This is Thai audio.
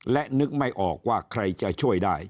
และนึกไม่ออกว่าใครจะช่วยได้